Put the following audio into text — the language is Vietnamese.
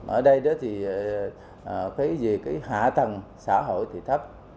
ở đây thì cái hạ tầng xã hội thì thấp